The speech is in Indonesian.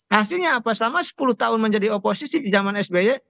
hasilnya apa selama sepuluh tahun menjadi oposisi di zaman sby